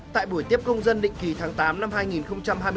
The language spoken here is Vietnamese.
tại buổi tiếp công dân định kỳ tháng tám năm hai nghìn hai mươi bốn